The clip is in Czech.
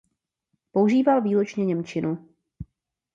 Používal výlučně němčinu.